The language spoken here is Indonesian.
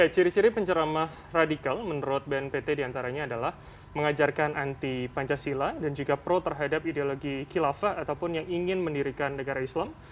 ciri ciri penceramah radikal menurut bnpt diantaranya adalah mengajarkan anti pancasila dan juga pro terhadap ideologi kilafah ataupun yang ingin mendirikan negara islam